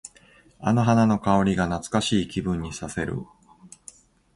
あの花の香りが懐かしい気分にさせる。